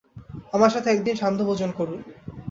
আমার সাথে একদিন সান্ধ্য-ভোজন করুন।